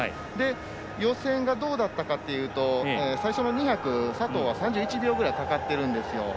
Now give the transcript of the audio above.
予選がどうだったかというと最初の２００佐藤は３１秒ぐらいかかってるんですよ。